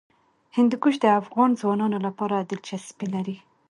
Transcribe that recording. هندوکش د افغان ځوانانو لپاره دلچسپي لري.